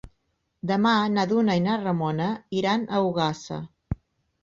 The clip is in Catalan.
Demà na Duna i na Ramona iran a Ogassa.